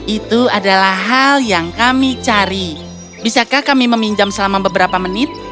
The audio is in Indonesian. itu adalah hal yang kami cari bisakah kami meminjam selama beberapa menit